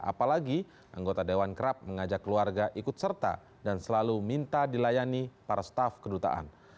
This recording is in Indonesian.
apalagi anggota dewan kerap mengajak keluarga ikut serta dan selalu minta dilayani para staf kedutaan